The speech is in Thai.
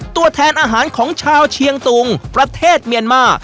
ตัวแทนอาหารของชาวเชียงตุงประเทศเมียนมา